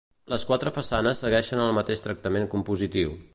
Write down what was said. Les quatre façanes segueixen el mateix tractament compositiu.